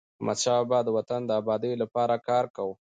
احمدشاه بابا د وطن د ابادی لپاره کار کاوه.